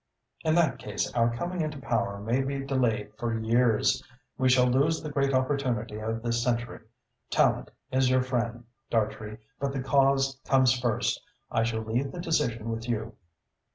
In that case, our coming into power may be delayed for years. We shall lose the great opportunity of this century. Tallente is your friend, Dartrey, but the cause comes first. I shall leave the decision with you."